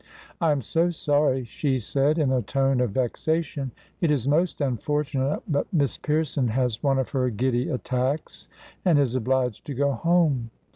"I am so sorry," she said, in a tone of vexation; "it is most unfortunate, but Miss Pierson has one of her giddy attacks, and is obliged to go home.